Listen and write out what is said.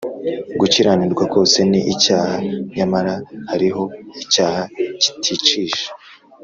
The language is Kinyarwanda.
Gukiranirwa kose ni icyaha, nyamara hariho icyaha kiticisha.